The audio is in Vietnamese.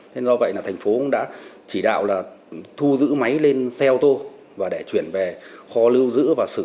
nên do vậy là thành phố đã chỉ đạo là thu giữ máy lên xe ô tô và để chuyển về kho lưu giữ và sử dụng